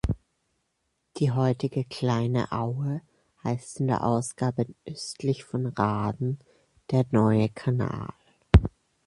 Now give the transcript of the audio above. Die heutige "Kleine Aue" heißt in der Ausgabe östlich von Rahden „der Neue Canal“.